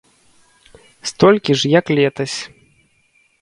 Столькі ж як летась.